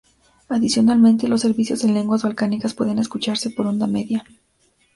Adicionalmente, los servicios en lenguas balcánicas pueden escucharse por onda media.